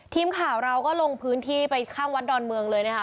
ทีมข่าวเราก็ลงพื้นที่ไปข้างวัดดอนเมืองเลยนะคะ